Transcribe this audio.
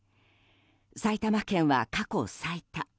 埼玉県は過去最多。